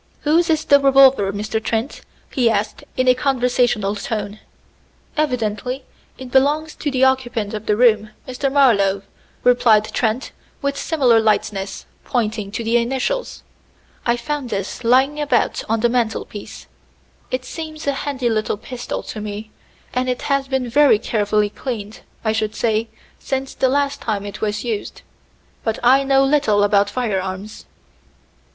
"Whose is the revolver, Mr. Trent?" he asked in a conversational tone. "Evidently it belongs to the occupant of the room, Mr. Marlowe," replied Trent with similar lightness, pointing to the initials. "I found this lying about on the mantel piece. It seems a handy little pistol to me, and it has been very carefully cleaned, I should say, since the last time it was used. But I know little about firearms."